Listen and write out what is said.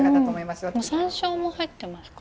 山椒も入ってますか？